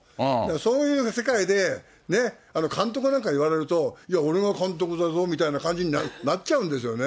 そういう世界で監督なんか言われると、いや、俺が監督だぞみたいな感じになっちゃうんですよね。